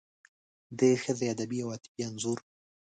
د ښځې ادبي او عاطفي انځور